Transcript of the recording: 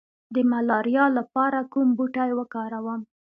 د ملاریا لپاره کوم بوټی وکاروم؟